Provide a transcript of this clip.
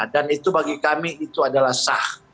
dan itu bagi kami itu adalah sah